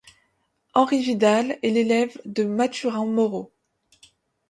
Henri Vidal est l'élève de Mathurin Moreau.